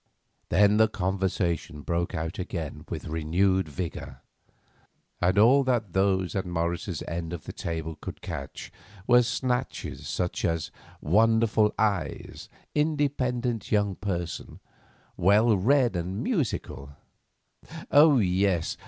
Then the conversation broke out again with renewed vigour, and all that those at Morris's end of the table could catch were snatches such as: "Wonderful eyes"; "Independent young person"; "Well read and musical"; "Oh, yes!